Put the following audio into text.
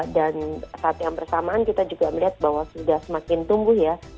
dan saat yang bersamaan kita juga melihat bahwa sudah semakin tumbuh ya